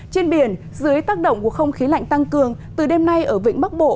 trên biển dưới tác động của không khí lạnh tăng cường từ đêm nay ở vĩnh bắc bộ